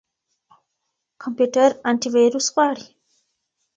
کمپيوټر انټيويروس غواړي.